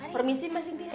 permisi mbak cynthia